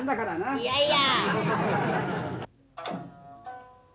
いやいや。